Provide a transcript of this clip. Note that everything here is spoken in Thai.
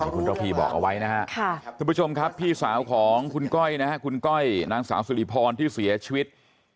ทุกผู้ชมครับพี่สาวของคุณก้อยนะครับคุณก้อยนางสาวสุริพรที่เสียชีวิต